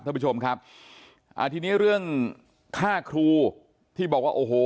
ท่านผู้ชมครับอ่าทีนี้เรื่องค่าครูที่บอกว่าโอ้โห